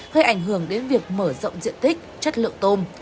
gây ảnh hưởng đến việc mở rộng diện tích chất lượng tôm